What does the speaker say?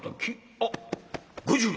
あっ５０両。